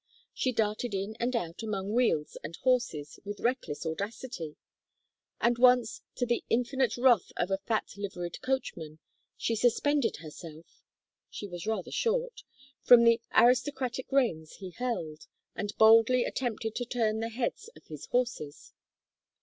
She darted in and out, among wheels and horses, with reckless audacity; and once, to the infinite wrath of a fat liveried coachman, she suspended herself she was rather short from the aristocratic reins he held, and boldly attempted to turn the heads of his horses.